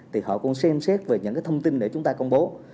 thì họ cũng xem xét về những cái thông tin để chúng ta công bố